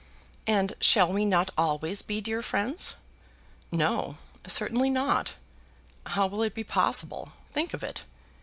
"And shall we not always be dear friends?" "No, certainly not. How will it be possible? Think of it.